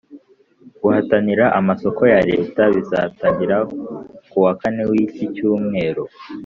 guhatanira amasoko ya Leta bizatangira kuwa kane w’icyi cyumweru